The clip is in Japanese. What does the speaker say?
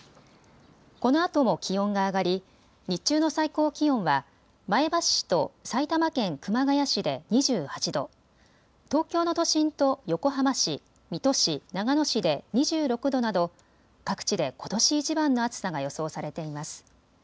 このあとも気温が上がり、日中の最高気温は前橋市と埼玉県熊谷市で２８度、東京の都心と横浜市、水戸市、長野市で２６度など各地でことしいちばんの暑さが予想されています。